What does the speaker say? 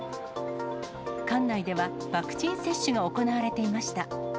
館内では、ワクチン接種が行われていました。